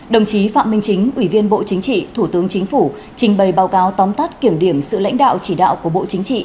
đồng chí phạm minh chính ủy viên bộ chính trị thủ tướng chính phủ trình bày báo cáo tóm tắt kiểm điểm sự lãnh đạo chỉ đạo của bộ chính trị